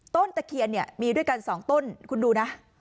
ตะเคียนเนี่ยมีด้วยกัน๒ต้นคุณดูนะ